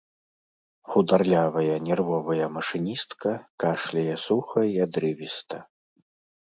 Хударлявая нервовая машыністка кашляе суха і адрывіста.